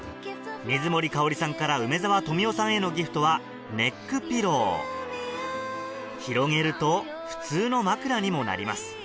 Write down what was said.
水森かおりさんから梅沢富美男さんへのギフトは広げると普通の枕にもなります